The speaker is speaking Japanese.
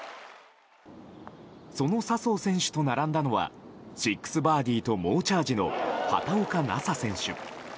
その笹生選手と並んだのは６バーディーと猛チャージの畑岡奈紗選手。